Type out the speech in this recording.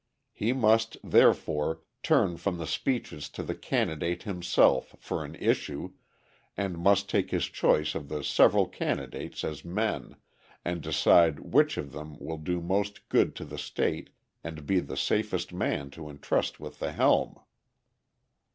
He must, therefore, turn from the speeches to the candidate himself for an "issue" and must take his choice of the several candidates as men, and decide which of them will do most good to the state and be the safest man to entrust with the helm.